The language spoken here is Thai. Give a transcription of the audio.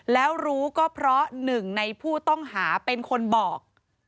แล้วรู้ก็เพราะหนึ่งในผู้ต้องหาเป็นคนบอก